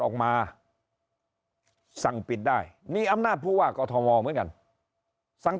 ออกมาสั่งปิดได้มีอำนาจผู้ว่ากอทมเหมือนกันสั่ง